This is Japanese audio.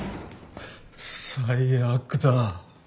最悪だ。